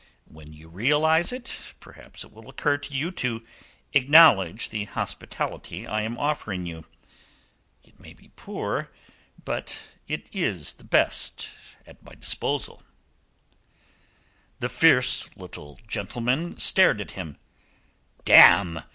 When you realize it, perhaps it will occur to you to acknowledge the hospitality I am offering you. It may be poor, but it is the best at my disposal." The fierce little gentleman stared at him. "Damme!